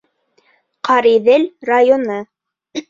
Ҡариҙел районы.